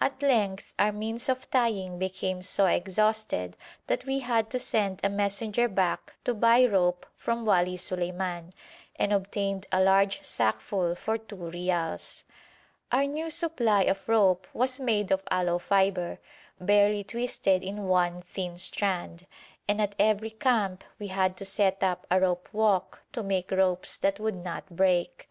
At length our means of tying became so exhausted that we had to send a messenger back to buy rope from Wali Suleiman, and obtained a large sackful for two reals. Our new supply of rope was made of aloe fibre, barely twisted in one thin strand, and at every camp we had to set up a rope walk to make ropes that would not break.